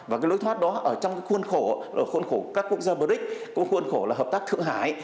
và cái lối thoát đó ở trong cái khuôn khổ khuôn khổ các quốc gia bric trong khuôn khổ là hợp tác thượng hải